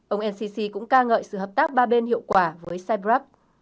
ông el sisi cũng ca ngợi sự hợp tác ba bên hiệu quả với cyprus